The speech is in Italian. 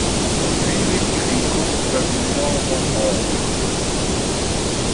Philip incontra di nuovo Oleg.